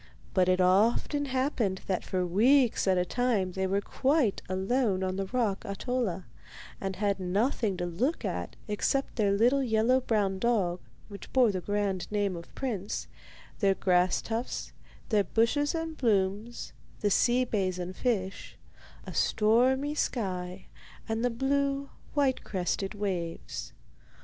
But it often happened that for weeks at a time they were quite alone on the rock Ahtola, and had nothing to look at except their little yellow brown dog, which bore the grand name of Prince, their grass tufts, their bushes and blooms, the sea bays and fish, a stormy sky and the blue, white crested waves.